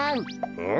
うん。